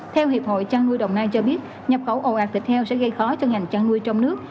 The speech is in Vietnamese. theo hiệp hội chăn nuôi đồng nai cho biết nhập khẩu ồ ạt thịt heo sẽ gây khó cho ngành chăn nuôi trong nước